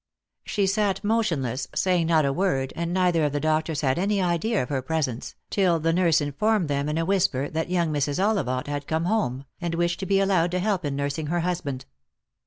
She sat motionless, saying not a word, and neither of the doctors had any idea of her presence, S4A Lost for Love. till the nurse informed them in a whisper that young Mrs. Ollivant had come home, and wished to be allowed to help in nnrsing her husband.